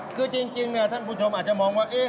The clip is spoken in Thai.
คือจริงท่านผู้ชมอาจจะมองว่า